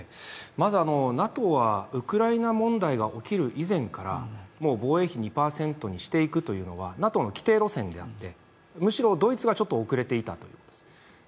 まず、ＮＡＴＯはウクライナ問題が起きる以前から防衛費２％にしていくというのはＮＡＴＯの既定路線であってむしろドイツがちょっと遅れていたんです。